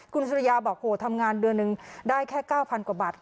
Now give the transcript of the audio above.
คุณสุริยาบอกโหทำงานเดือนหนึ่งได้แค่๙๐๐กว่าบาท